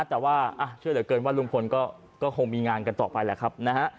แต่ว่าช่วยเหลือเกินว่าครบก็คงมีงานกันต่อไปแล้วครับ